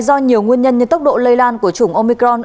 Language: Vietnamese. do nhiều nguyên nhân như tốc độ lây lan của chủng omicron